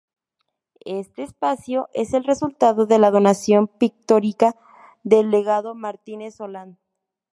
Este espacio es el resultado de la donación pictórica del legado Martínez-Solans.